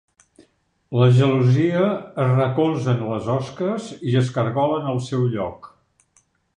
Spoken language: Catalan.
La gelosia es recolza en les osques i es caragola en el seu lloc.